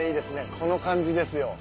この感じですよ。